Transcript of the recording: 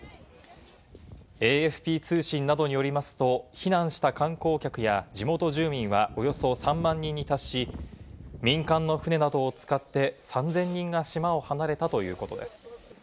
ＡＦＰ通信などによりますと、避難した観光客や地元住民はおよそ３万人に達し、民間の船などを使って３０００人が島を離れたということです。